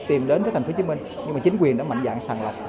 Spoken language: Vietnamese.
tìm đến với thành phố hồ chí minh nhưng mà chính quyền đã mạnh dạng sàng lọc